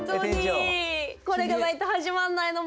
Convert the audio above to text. これがないと始まんないの。